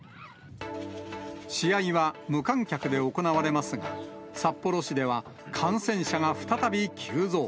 試合は無観客で行われますが、札幌市では感染者が再び急増。